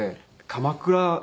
鎌倉